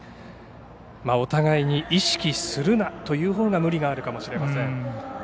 お互いに意識するなというほうが無理があるかもしれません。